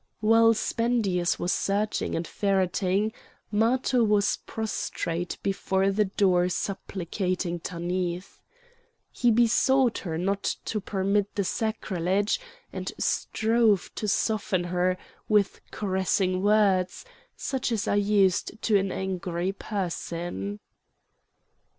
While Spendius was searching and ferreting, Matho was prostrate before the door supplicating Tanith. He besought her not to permit the sacrilege, and strove to soften her with caressing words, such as are used to an angry person.